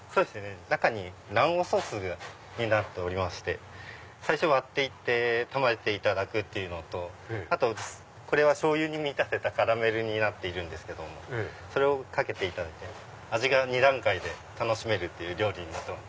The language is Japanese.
中が卵黄ソースになっておりまして最初割って行って食べていただくのとあとこれはしょうゆに見立てたカラメルなんですけどもそれをかけていただいて味が２段階で楽しめる料理です。